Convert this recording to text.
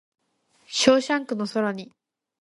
ショーシャンクの空に